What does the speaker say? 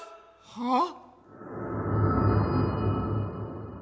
はあ？